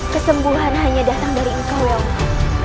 kesembuhan hanya datang dari engkau ya allah